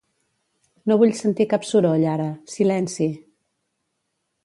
No vull sentir cap soroll ara, silenci.